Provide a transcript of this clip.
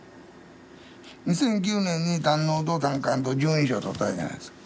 ２００９年に胆のうと胆管と十二指腸を取ったじゃないですか。